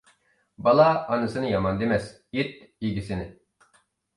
بالا ئانىسىنى يامان دېمەس، ئىت ئىگىسىنى.